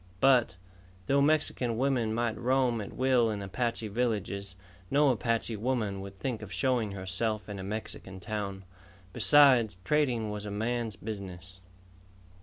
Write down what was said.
But, though Mexican women might roam at will in Apache villages, no Apache woman would think of showing herself in a Mexican town. Besides, trading was a man's business.